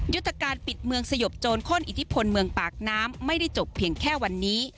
ยุทธการปิดเมืองสยบโจรข้นอิทธิพลเมืองปากน้ำไม่ได้จบเพียงแค่วันนี้